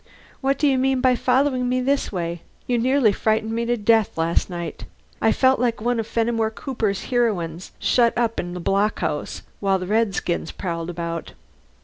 What do you mean by following me this way? You nearly frightened me to death last night. I felt like one of Fenimore Cooper's heroines, shut up in the blockhouse while the redskins prowled about."